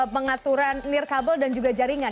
pengaturan nirkabel dan juga jaringan